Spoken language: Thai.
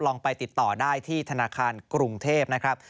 ไปติดต่อได้ที่ธนาคารกรุงเทพนะครับ